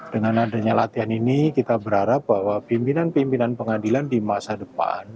dengan adanya latihan ini kita berharap bahwa pimpinan pimpinan pengadilan di masa depan